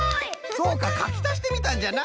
そうかかきたしてみたんじゃな。